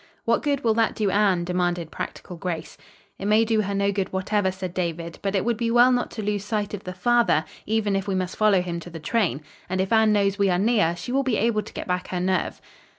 "What good will that do Anne?" demanded practical Grace. "It may do her no good whatever," said David, "but it would be well not to lose sight of the father, even, if we must follow him to the train. And if Anne knows we are near, she will be able to get back her nerve."